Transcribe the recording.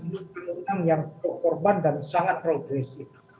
undang undang yang korban dan sangat progresif